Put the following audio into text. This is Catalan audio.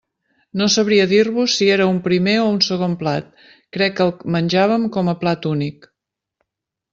No sabria dir-vos si era un primer o un segon plat, crec que el menjàvem com a plat únic.